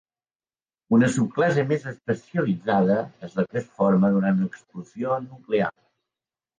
Una subclasse més especialitzada és la que es forma durant una explosió nuclear.